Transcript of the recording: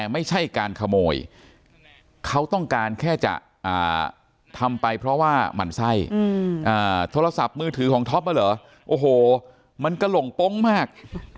มันกันผันไส้โทรศัพท์มือถือของท็อปมาเหรอโอ้โหมันกระหล่งปล้องมาก